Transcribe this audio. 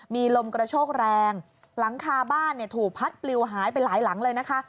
มีลมกระโชกแรงหลังคาบ้านเนี่ยถูกพัดปลิวหายไปหลายหลังเลยนะคะ